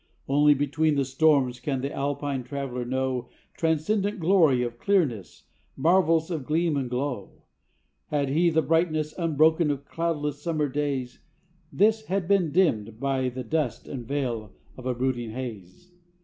Only between the storms can the Alpine traveler know Transcendent glory of clearness, marvels of gleam and glow; Had he the brightness unbroken of cloudless summer days, This had been dimmed by the dust and veil of a brooding haze.